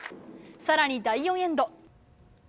更に、第４エンド。